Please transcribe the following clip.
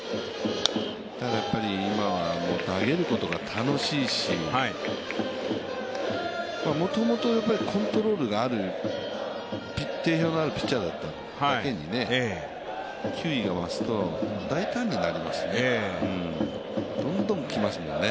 やっぱり今は投げることが楽しいしもともとコントロールに定評があるピッチャーだっただけに、球威が増すと大胆になりますね、どんどんきますもんね。